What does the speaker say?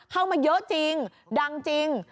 เข้ามาเยอะจริงดังจริง